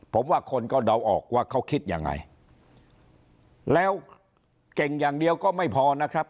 ผมว่าคนก็เดาออกว่าเขาคิดยังไงแล้วเก่งอย่างเดียวก็ไม่พอนะครับ